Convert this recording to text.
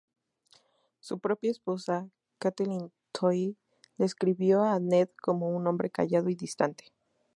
Su propia esposa, Catelyn Tully, describió a Ned como un hombre callado y distante.